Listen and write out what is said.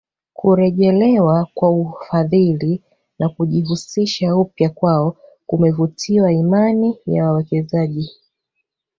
Kurejelewa kwa ufadhili na kujihusisha upya kwao kumevutia imani ya wawekezaji